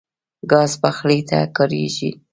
ګاز پخلي ته کارېږي.